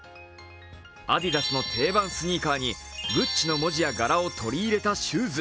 アディダスの定番スニーカーにグッチの文字や柄を取り入れたシューズ。